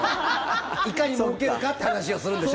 いかにもうけるかって話をするんでしょ？